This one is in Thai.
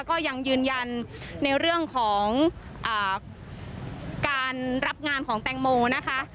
ก็ยังยืนยันในเรื่องของการรับงานของแตงโมนะคะ